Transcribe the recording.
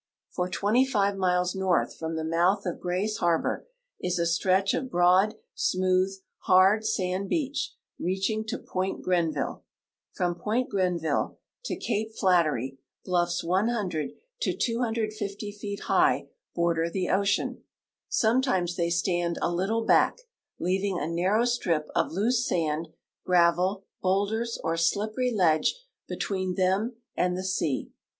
For 25 miles north from the mouth of Cray's harbor is a stretch of broad, smooth, hard, sand beach reaching to [joint Crenville. From [loint Crenville to cape 136 THE OLYMPIC COUNTRY Flatteiy, bluffs 100 to 250 feet high border the ocean. Some times they stand a little back, leaving a narrow strip of loose sand, gravel, boulders, or slippery ledge between them and the sea.